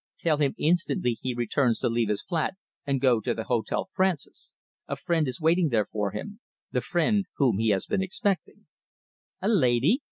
"Tell him instantly he returns to leave his flat and go to the Hotel Francis. A friend is waiting there for him, the friend whom he has been expecting!" "A lady?"